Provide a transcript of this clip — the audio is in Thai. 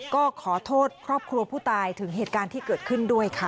ก็ขอโทษครอบครัวผู้ตายถึงเหตุการณ์ที่เกิดขึ้นด้วยค่ะ